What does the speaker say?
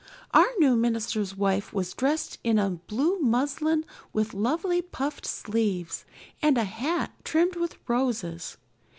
Our new minister's wife was dressed in blue muslin with lovely puffed sleeves and a hat trimmed with roses.